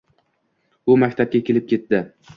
U maktabga kelib ketdi.